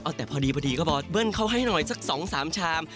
แต่พอดีเขาบอกเบิ้ลเขาให้หน่อยสัก๒๓ชาม